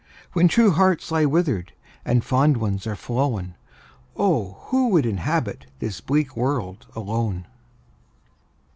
When true hearts lie withered, And fond ones are flown, Oh! who would inhabit This bleak world alone!